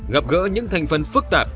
gặp gỡ những thành phần phức tạp